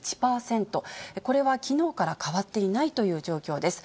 これはきのうから変わっていないという状況です。